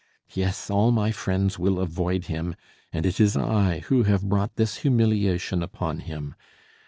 Yes, all my friends will avoid him, and it is I who have brought this humiliation upon him!